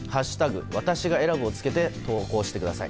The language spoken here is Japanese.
私が選ぶ」をつけて投稿してください。